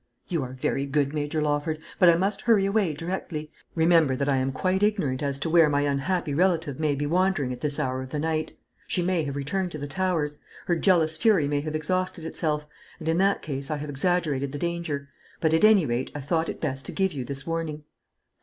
"You are very good, Major Lawford; but I must hurry away directly. Remember that I am quite ignorant as to where my unhappy relative may be wandering at this hour of the night. She may have returned to the Towers. Her jealous fury may have exhausted itself; and in that case I have exaggerated the danger. But, at any rate I thought it best to give you this warning."